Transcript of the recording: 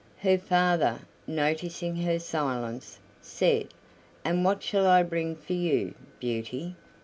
Her father, noticing her silence, said: "And what shall I bring for you, Beauty?"